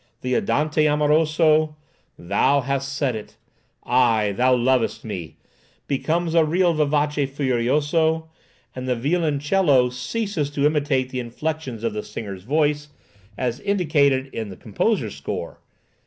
The andante amoroso, "Thou hast said it, aye, thou lovest me," becomes a real vivace furioso, and the violoncello ceases to imitate the inflections of the singer's voice, as indicated in the composer's score.